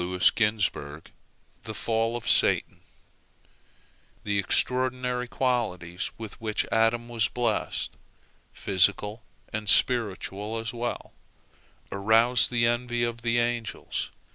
THE FALL OF SATAN The extraordinary qualities with which Adam was blessed, physical and spiritual as well, aroused the envy of the angels.